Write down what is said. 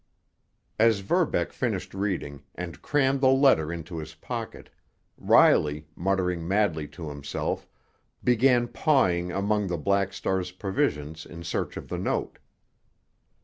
As Verbeck finished reading, and crammed the letter into his pocket, Riley, muttering madly to himself, began pawing among the Black Star's provisions in search of the note.